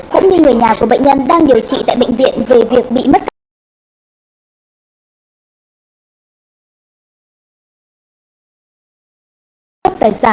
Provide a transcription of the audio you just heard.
cũng như người nhà của bệnh nhân đang điều trị tại bệnh viện về việc bị mất tích